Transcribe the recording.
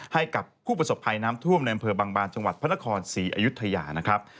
ให้กับผู้ประสบภัยน้ำท่วมในอำเภอบางบานจังหวัดพระนครศรีอยุธยานะครับ